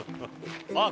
あっ